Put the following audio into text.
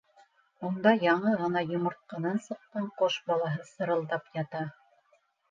Унда яңы ғына йомортҡанан сыҡҡан ҡош балаһы сырылдап ята.